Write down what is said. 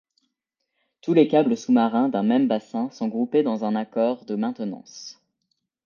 Tous les câbles sous-marins d’un même bassin sont groupés dans un accord de maintenance.